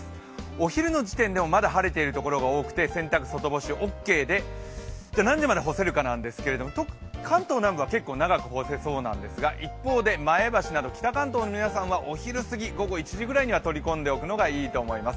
お昼の時点でもまだ晴れているところが多くて、洗濯外干しオッケーで何時まで干せるかなんですが関東南部は結構長く干せそうなんですが、一方で前橋など北関東の皆さんはお昼すぎ、午後１時ぐらいには取り込んでおくのがいいと思います。